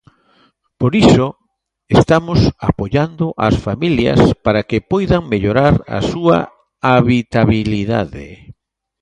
Por iso, estamos apoiando as familias para que poidan mellorar a súa habitabilidade.